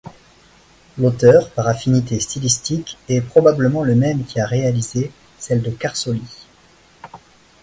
L'auteur par affinité stylistique est probablement le même qui a réalisé celles de Carsoli.